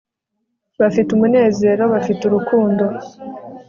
Bafite umunezero bafite urukundo